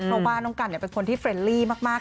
เพราะว่าน้องกันเป็นคนที่เฟรนลี่มาก